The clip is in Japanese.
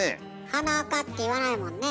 「鼻あか」って言わないもんね。